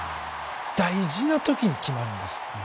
大事な時に決まるんです。